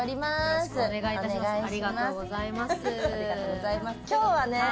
よろしくお願いします。